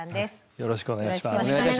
よろしくお願いします。